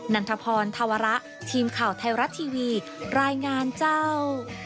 ันทพรธวระทีมข่าวไทยรัฐทีวีรายงานเจ้า